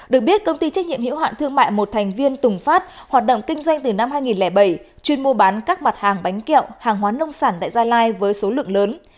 được biết công ty trách nhiệm hiểu hạn thương mại một thành viên tùng phát hoạt động kinh doanh từ năm hai nghìn bảy chuyên mua bán các mặt hàng bánh kẹo hàng hóa nông sản tại gia lai với số lượng lớn